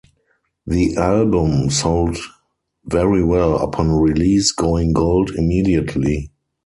The album sold very well upon release, going Gold immediately.